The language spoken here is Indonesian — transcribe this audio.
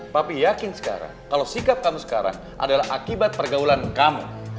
tapi yakin sekarang kalau sikap kamu sekarang adalah akibat pergaulan kamu